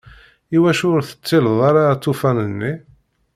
Iwacu ur tettileḍ ara aṭufan-nni?